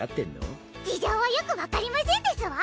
事情はよく分かりませんですわ。